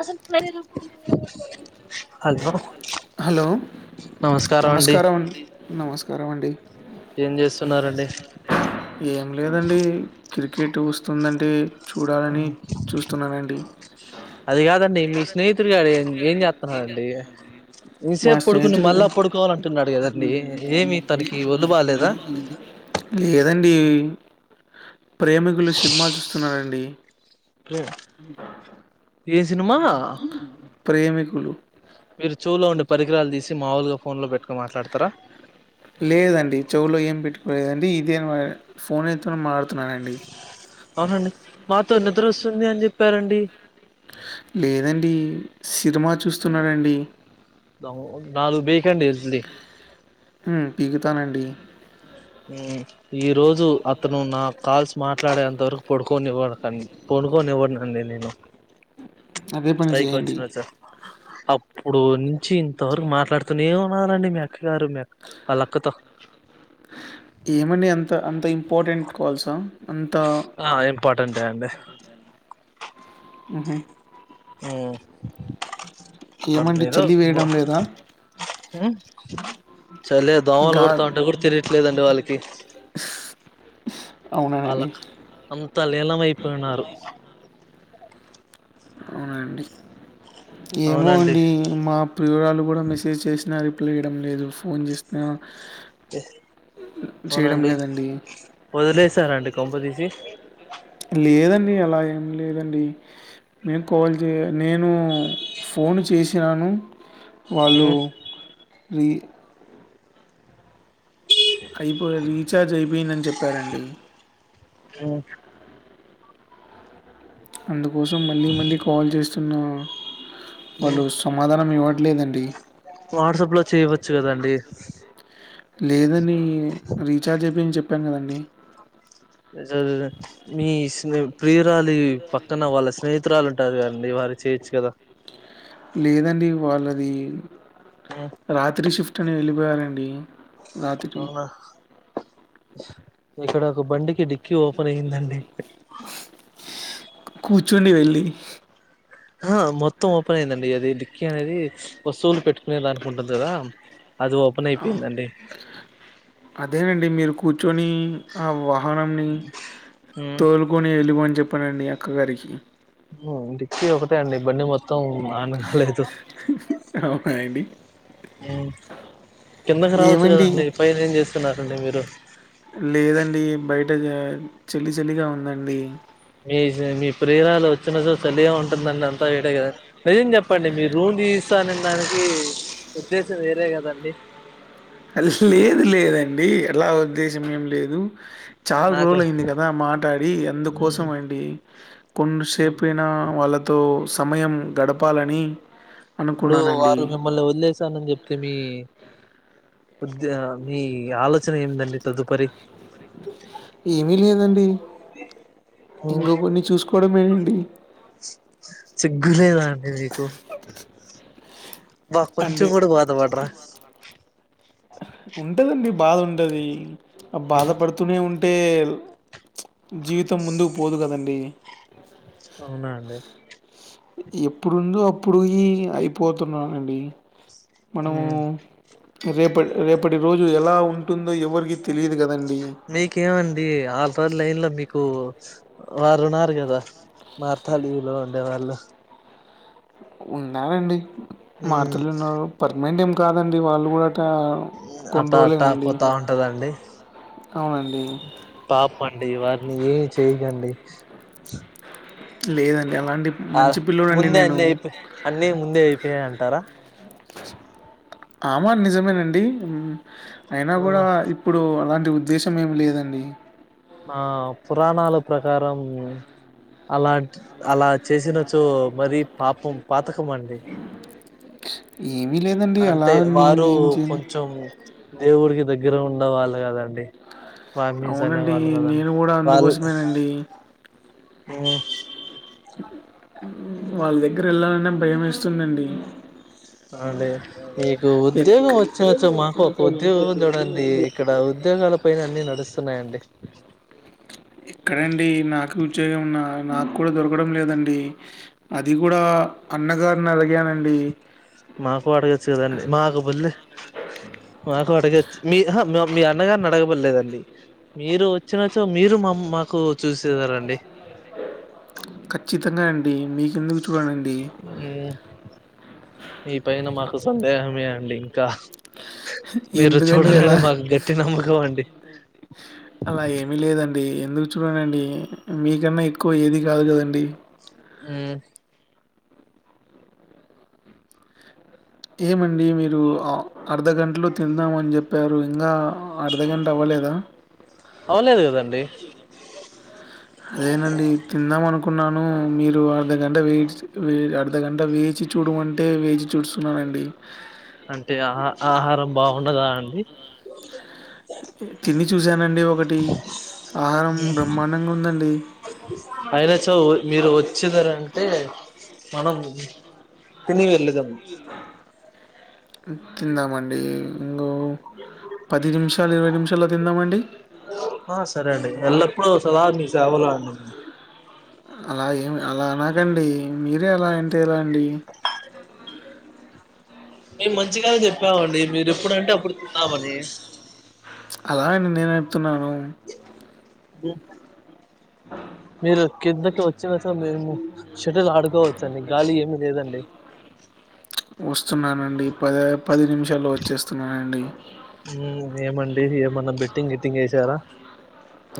అసలక్ మెనీలు హలో నమస్కారం అండి నమస్కార అండి ఏం చేస్తున్నరండి? ఏం లేదండి క్రికెట్ వస్తుందంటే చూడాలని ఒకే చూస్తున్నానండి అది కాదండి మీ స్నేహితుడి గారు ఏం ఏం చేస్తున్నరండి? మా మిసేపు పడుకుని స్నేహితుడు మళ్ళా పడుకోవాల అంటున్నాడు కదండి ఏమి తనకి ఒళ్లు బాలేేదా? లేదండి ప్రేమికులు సినిమా చూస్తున్నానండి. ఏ సినిమా ప్రేమికులు మీరు చెవిలో ఉండే పరికరాలు తీసి మాముూలుగా ఫోన్ లో పెట్టుకొని మాట్లాడతారా లేదండి చెవులో ఏం పెట్టుకోలేదండి ఇదే ఫోనీతోనే మాటాడుతున్నానండి. ఆహా మాతో నిద్రోస్తుంది అని చెప్పారండి లేదండి సినిమా చూస్తున్నాడండి హలో నాలుగు బీకండి ఇడి హ్మ్మ్ పీగుతానండి హ్మ్మ్ ఈ రోజు అతను నా కాల్స్ మాట్లాడేంత వరకు పడుకోనివ్వడు తనని పడుకోనివ్వనండి నేను అదే పని చేయండి పైకొచ్చచ్చా అప్పుడు నుంచి ఇంతవరకు మాట్లాడ అతనే ఉన్నారన్డి మీ అక్క గారు మీ అక్క వాళ్లక్కతో ఏమండీ అంత అంత ఇంపార్టెంట్ కాల్సా అంత ఆ ఇంపార్టెంటే అండి ఊహు ఊ బట్ ఏమండి ఏదో చలి వేయడం లేదా సర్లే దోమలు గా కొడతా ఉంటే కూడా తెలిట్లేదండి వాళ్ళకి అవునానండి వాళ్ళకి అంతా లీలమైపోయినారు అవునండి ఏమో అవునండి అండి మా ప్రియురాలు కూడా మెసేజ్ చేసినా రిప్లై ఇయడం లేదు ఫోన్ చేసిన చేయడం అవునండి లేదండి వదిలేసారండి కొంపదీసి లేదండి అలా ఏం లేదండి నేను కాల్ చేయ నేను ఫోన్ చేశాను వాళ్ళు రీ అయిపోయి రీఛార్జ్ అయిపోయిందని చెప్పారండి ఆ అందుకోసం మళ్ళీ మళ్ళీ కాల్ చేస్తున్న వాళ్ళు సమాధానం ఇవ్వట్లేదండి వాట్సాప్ లో చేయవచ్చు కదండి లేదని రీఛార్జ్ అయిపోయిందని చెప్పాను కదండి మీ ప్రియురాలి పక్కన వాళ్ళ స్నేహి తురాలు ఉంటారు కదండి వారికి చేయొచ్చు కదా లేదండి వాళ్ళది ఆ రాత్రి షిఫ్ట్ అని వెళ్ళిపోయారండి రాత్రి అవునా ఇక్కడోక బండికి డిక్ కి ఓపెన్ అయ్యిందండి కూర్చుండి వెళ్ళి ఆ మొత్తం ఓపెన్ అయిందండి అది కి అది వస్తువులు పెట్టుకునే దానికుంటుంది కదా అది ఓ ఆ అదేనండి మీరు కూర్చొని ఆ వాహనంని హ్మ్ తోలుకొని వెళ్లమని చెప్పానండి అక్కగారికి. హ్మ్ డిక్కీ ఒకటె అండి బండి మొత్తం నానలేదు అవునా అండి హ్మ్ కిందకి రావచ్చు ఏమండి? కదండి పైన ఏం చేస్తున్నారండి మీరు లేదండి బయట చలి చలిగా ఉందండి మీ మీ ప్రియురాలు వచ్చిన సో చలిగా ఉంటుందండి అంతా వేడే గదా నిజం చెప్పండి మీరు రూమ్ తీసిస్తాన్ అనడానికి ఉద్దేశం వేరే కదండి లేదు లేదండి అలా ఉద్దేశం ఏం లేదు చాల్ నాకు రోజులయింది కదా మాట్ టడి అందుకోసం అండి కొన్ని హ్మ్ సెపయినా వాళ్ళ తో సమయం గడపాలని ఇప్పుడు అనుకున్నానండి. వారు మిమ్మల్ని వదిలేసానని చెప్తి మీ ఉధ్య మీ ఆలోచన ఏందండి తదుపరి ఏమీ లేదండి ఇంగకొన్ని చూసుకోవడమేనండి సిగ్గులేదా అండి మీకు బా కొంచెం అంటే కూడా బాధపడరా ఉంటదండి బాధ ఉంటది ఆ బాధ పడుతూనే ఉంట్ టేల్ జీవితం ముందుకు పోదు కదండి అవునా అండి ఎప్పుడుందో అప్పుడు ఇయి అయిపోతున్నానండి మనము రేపట్ రేపటి రోజు ఎలా ఉంటుందో ఎవరికిీ తెలియదు కదన్ మీకేమండి అల్టైర్ లైన్ లో మీకు వారు ఉన్నారు కదా మార్తాల్లిలో ఉండే వాళ్ళు ఉన్నారండి మార్తాల్లిలో ఉన్నారు పర్మనెంట్ ఏం కాదండి వాళ్ళు కూడా ట అట్టా అట్టా పోతా ఉంటదండి అవునండి పాపమండి వారిని ఏమి చెయకండి లేదండి అవండి హ ముందే అన్నీ అయిపోయ్ అన్నీ ముందే అయిపోయాయ్ అంటారా ఆ మాట్ నిజమేనండి హ్మ్ అయినా కూడా ఇప్ ఇప్పుడు అలాంటి ఉద్దేశం ఏమ్ లేదండి ఆ పురాణాల ప్రకారం అలాన్టి అలా చేసినచో మరి పాపం పాతకం అండి ఏమి లేదండి అలా అంటే నేను వారు ఏమి చేయను [inaudible] దేవుడికి దగ్గర ఉండవాళ్ళు కదండి వామిస్ అనే అవునండి వాళ్ళు కదాం నేను కూడా వాళ్ అందుకోసమేనండి హ్మ్ వాళ్ దగ్గర ఎళ్ళాలనే భయం వెస్తుందండి అండి మీకు ఎక్క ఉద్యోగం వచ్చినచ్చో మాకు ఒక ఉద్యోగం చూడండి ఇక్కడ ఉద్యోగాల పైన అన్ని నడుస్తున్నాయండి ఎక్కడండి నాకు ఉద్యోగం న్నా నాకు కూడా దొరకడం లేదండి అది కూడా అన్నగారిని అలిగాను అండి మాకు అడగొచ్చు కదండి మాకుబులు మాకు అడగచ్చు మీఆహా మీ అన్నగారిని అడగమనలేదండి మీరు వచ్చినో మీరు మా మాకు చూసేదరండీ ఖచ్చితంగా అండి మీకెందుకు చూడానండి మీ పైన మాకు సందేహమే అండి ఇంకా మీరు ఎందుకండి అలా? చూడాలని మాకు గట్టి నమ్మకం అండి అలా ఏమీ లేదండి ఎందుకు చూడనండి మీకన్నా ఎక్కువ ఏది కాదు కదండి ఊ ఏమండి మీరు అర్ధగంటలో తిన్నామని చెప్పారు ఇంగా అర్ధగంట అవ్వలేదా అవలేదు కదండి అదేనండి తిందాం అనుకున్నాను మీరు అర్ధగంట వే అర్ధగంట వేచి చూడమంటే వేచి చూస్తున్నానండి అంటే ఆహ ఆహారం బాగుండదా అండి తిని చూసానండి ఒకటి ఆహారం బ్రహ్మాండంగా ఉందండి అయినా చో మీరు వచ్చేదరు అంటే మనం తిని వెళ్ళేదేము తిందామండి ఇంగో పది నిమిషాలు ఇరవై నిమిషాల్లో తిందామండి ఆ సరే అండి ఎల్లప్పుడూ సదా మీ సేవలో అండి అలా ఏమి అలా అనకండి మీరే అలా అంటే ఎలా అండి మేము మంచిగానే చెప్పామండి మీరు ఎప్పుడుంటే అప్పుడు తిందామని అలా అని నేను చెప్తున్నాను మీరు కిందకి వచ్చిన చో మేము షటిల్ ఆడుకోవచ్చండి గాలి ఏమి లేదండి వస్తున్నానండి పది పది నిమిషాల్లో వచ్చేస్తున్నానండి ఏమండి ఏమన్నా బెట్టింగ్ గిట్టింగ్ వేసారా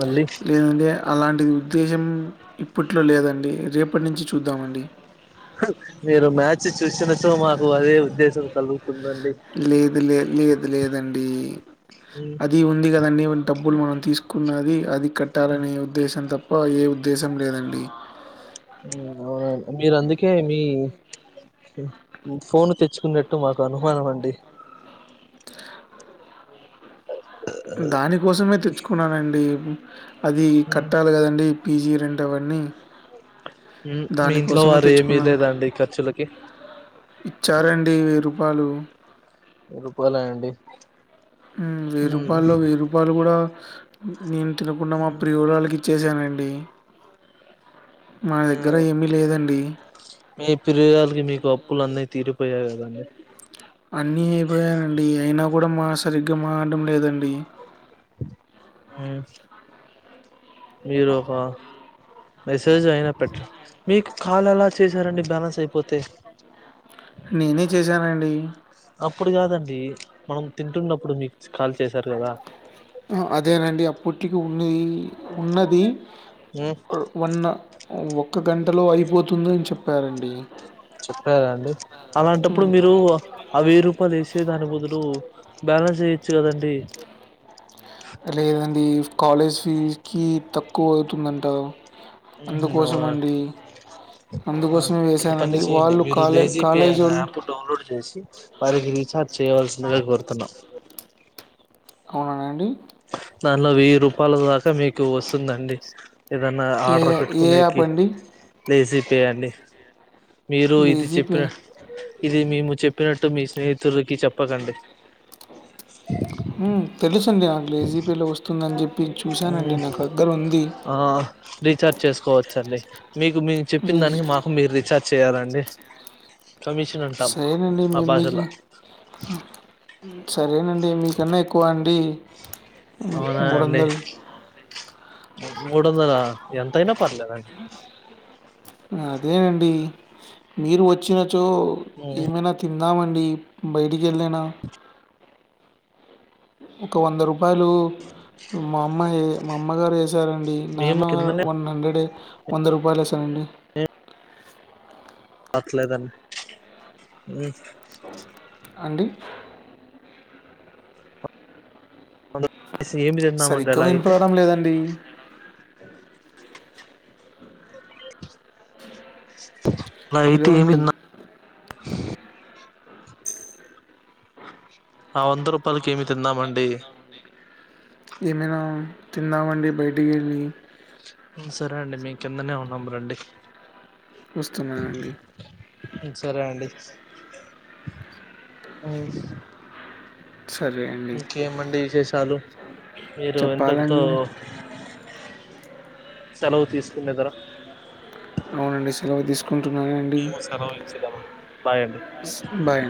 మళ్ళీ లేదండి అలాంటి ఉద్దేశం ఇప్పట్లో లేదండి రేపటి నుంచి చూద్దామండి మీరు మ్యాచ్ చూసిన చో మాకు అదే ఉద్దేశం కలుగు లేదు లే లేదు లేదు లేదండి అ అది ఉంది కదండి డబ్బులు మనం తీసుకున్నది అది కట్టాలనే ఉద్దేశం తప్ ఏ ఉద్దేశం లేదండి అవునండి మీరు అందుకే మీ ఫోను తెచ్చుకున్నట్టు మాకు అనుమానం అండి దానికోసమే తెచ్చుకున్నానండి అది కట్టాలి కదండి పీజీ రెంటు అవన్నీ మీ ఇంట్లో దానికోసమే వారు ఏమీ తెచ్చుకున్నాను. ఇయ్యలేదా అండి ఖర్చులకి ఇచ్చారండి వెయ్యి రూపాయలు రూపాయలు అండి వెయ్యి రూపాయల్లో వెయ్యి రూపాయలు కూడా నేను తినకుండా మా ప్రియురాలికి ఇచ్చేసానండి మా దగ్గర ఏమీ లేదండి మీ ప్రియురాలికి మీకు అప్పులు అన్నీ తీరిపోయాయి కదండీ అన్నీ అయిపోయాయండి అయినా కూడా మా సరిగ్గా మాటం లేదండి ఉమ్ మీరోహో మెసేజ్ అయినా పెట్ మీకు కాల్ ఎలా చేశారండి బ్యాలెన్స్ అయిపోతే నేనే చేశానండి అప్పుడు కాదండి మనం తింటున్నప్పుడు మీకు కాల్ చేశారు కదా అదేనండి అప్పుటికి ఉన్ని ఊ వన్ ఒక్క గంటలో అయిపోతుందని చెప్పారండి చెప్పారా అండి అలాంటప్పుడు హ్మ్. మీరు ఆ వెయ్యి రూపాయలు వేసే దాని బదులు బ్యాలెన్స్ వెయొచ్చు కదండి లేదండి ఫ్ కాలేజ్ ఫీజ్కి తక్కువ అవుతుందంటా అందుకోసం అండి అందుకోసమే ఒక పని వేసానండి చేయండి వాళ్ళు మీరు కాలే లేజీ పే అనే కాలేజోల్లు యాప్ డౌన్లోడ్ చేసి వారికి రీఛార్జ్ చేయవలసిందిగా కోర్తున్నాం అవునా అండి? దానిలో వెయ్యి రూపాయల దాకా మీకు వస్తుందండి ఏదన్నా ఏ ఆర్డర్ ఏ యాప్ పెట్కునేకి అండి? లేజి పే అండి మీరు ఇది లేజీ పే చెప్పిన ఇది మేము చెప్పినట్టు మీ స్నేహితులుకి చెప్పకండి ఊమ్ తెలుసండి నాకు లేజీపీలో వస్తుందని చెప్పి చూశానండి నా దగ్గర ఉంది ఆ రీఛార్జ్ చేసుకోవచ్చండి మీకు మీ చెప్పిన రీజ్ దానికి మాకు మీరు రీఛార్జ్ చేయాలండి కమిషన్ అంటాం సరేనండి. మా మీ మీకు భాషలో సరేనండి మీకన్నా ఎక్కువ అండి మ్ అవునా మూడు అండి వందల్ మూడు వందలా ఎంతైనా పర్లేదండ్ అదేనండి మీరు వచ్చినచో ఏమైనా తిందామండి బయటికి వెళ్ళినా ఒక వంద రూపాయలు మా అమ్మ ఏ మామ్మగారు వే సారండి మేము నాన్న కిందనే వన్ హండ్రెడ్ వంద రూపాయలు వేసారండి పట్లేదన్ ఊ అండి ఏమి తిన్నామండి సరిగ్గా అలా అయితే వినిపడడం లేదండి హలో అండి నైటేమిన్నా ఆ వంద రూపాలకి ఏమి తిందామండి? ఏమైనా తిందామండి బయటికి వెళ్ళి ఉమ్ సరే అండి మీ కిందనే ఉన్నాం రండి వస్తున్నా అండి సరే అండి నైస్ సరే అం ఇంకేమండి విశేషాలు మీరు ఇంతటితో చెప్పాలండి సెలవు తీసుకున్నేదర అవునండి సెలవు తీసుకుంటున్నానండి మేము సెలవు ఇచ్చుదామండి బాయ్ అండి బాయ్